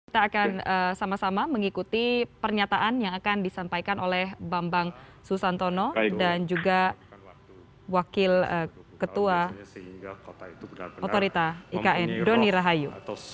kita akan sama sama mengikuti pernyataan yang akan disampaikan oleh bambang susantono dan juga wakil ketua otorita ikn doni rahayu